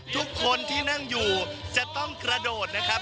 ทุกคนที่นั่งอยู่จะต้องกระโดดนะครับ